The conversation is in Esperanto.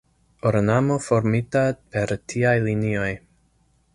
Ornamo formita per tiaj linioj.